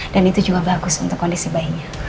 dan itu juga bagus untuk kondisi bayinya